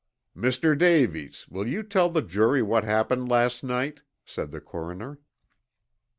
"Mr. Davies, will you tell the jury what happened last night," said the coroner.